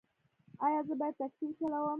ایا زه باید ټکسي وچلوم؟